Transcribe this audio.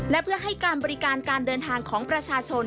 และเพื่อให้การบริการการเดินทางของประชาชน